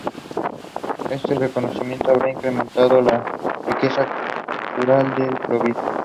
Este reconocimiento habría incrementado la riqueza cultural de Provins.